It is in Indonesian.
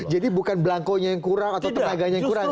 jadi bukan belangkonya yang kurang atau tenaganya yang kurang